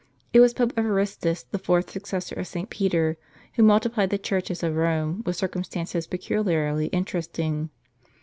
It was Pope Evaristus, the fourth successor of St. Peter, who multi plied the churches of Pome with circumstances peculiarly interesting.